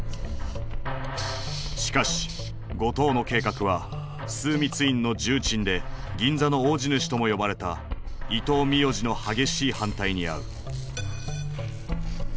しかし後藤の計画は枢密院の重鎮で「銀座の大地主」とも呼ばれた伊東巳代治の激しい反対にあう。